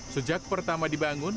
sejak pertama dibangun